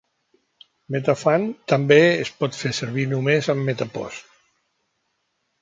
Metafun també es pot fer servir només amb MetaPost.